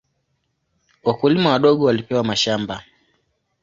Wakulima wadogo walipewa mashamba.